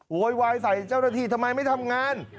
โวยวายใส่เจ้าหน้าที่ทำไมไม่ทำงาน